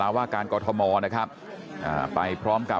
ไปพบผู้ราชการกรุงเทพมหานครอาจารย์ชาติชาติฝิทธิพันธ์นะครับ